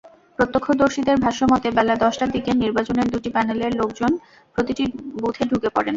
প্রত্যক্ষদর্শীদের ভাষ্যমতে, বেলা দশটার দিকে নির্বাচনের দুটি প্যানেলের লোকজন প্রতিটি বুথে ঢুকে পড়েন।